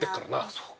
そうか。